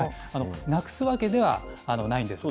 なくすわけではないんです。